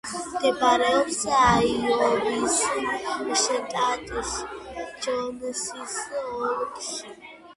მდებარეობს აიოვის შტატში, ჯონსის ოლქში.